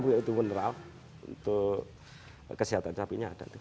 mineral itu mineral untuk kesehatan sapinya